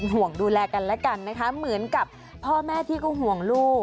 ห่วงดูแลกันและกันนะคะเหมือนกับพ่อแม่ที่ก็ห่วงลูก